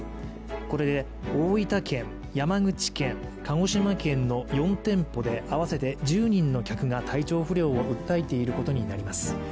これで大分県、山口県、鹿児島県の４店舗で合わせて１０人の客が体調不良を訴えていることになります。